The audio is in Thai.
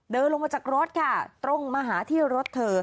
เดินลงมาจากรถค่ะตรงมาหาที่รถเธอ